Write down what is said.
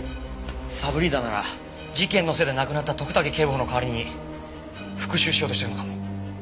サブリーダーなら事件のせいで亡くなった徳武警部補の代わりに復讐しようとしてるのかも。